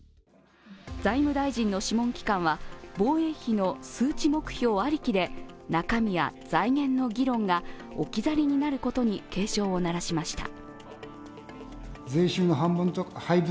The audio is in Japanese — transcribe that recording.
財務大臣の諮問機関は防衛費の数値目標ありきで中身や財源の議論が置き去りになることに警鐘を鳴らしました。